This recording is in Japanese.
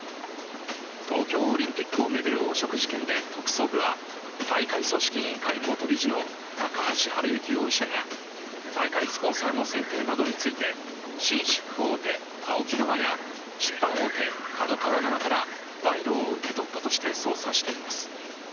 東京オリンピックを巡る汚職事件で特捜部は、大会組織委員会元理事の高橋治之容疑者が大会スポンサーの選定などについて、紳士服大手ＡＯＫＩ側や出版大手ＫＡＤＯＫＡＷＡ側から賄賂を受け取ったとして捜査しています。